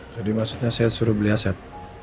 jadi maksudnya saya suruh beli aset